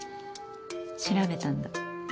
調べたんだ？